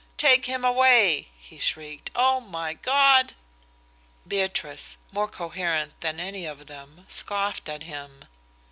"Take him away!" he shrieked. "Oh, my God!" Beatrice, more coherent than any of them, scoffed at him.